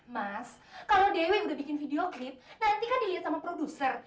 mas kalau dewi udah bikin video krip nanti kan dilihat sama produser